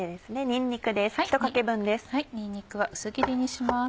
にんにくは薄切りにします。